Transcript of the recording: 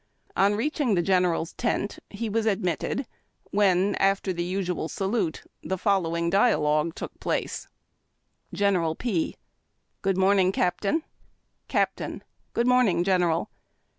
On reaching the General's tent, he was admitted, when, after the usual salute, the following dialogue took place :— General P. —'• Good morning, Caj^tain." Captain. —" Good morning, Gen eral."